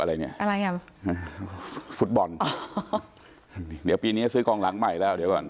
อะไรเนี้ยอะไรอ่ะฟุตบอลเดี๋ยวปีนี้ซื้อกองหลังใหม่แล้วเดี๋ยวก่อน